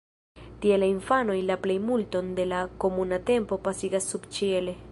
Tie la infanoj la plejmulton de la komuna tempo pasigas subĉiele.